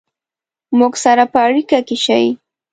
مونږ سره په اړیکه کې شئ